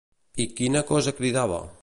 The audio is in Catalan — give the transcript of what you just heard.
I quina cosa cridava?